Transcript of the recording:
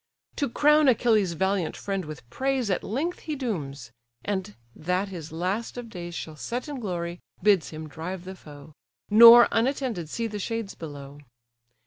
To crown Achilles' valiant friend with praise At length he dooms; and, that his last of days Shall set in glory, bids him drive the foe; Nor unattended see the shades below.